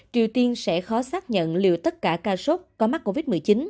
triều tiên sẽ khó xác nhận liệu tất cả ca sốc có mắc covid một mươi chín